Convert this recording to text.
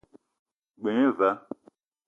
G-beu gne va.